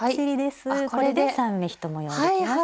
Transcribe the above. これで３目１模様ができました。